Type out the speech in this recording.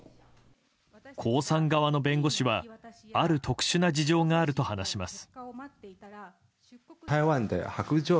江さん側の弁護士はある特殊な事情があると話します。